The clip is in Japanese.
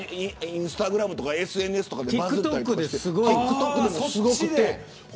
インスタグラムとかＳＮＳとかＴｉｋＴｏｋでもすごくて。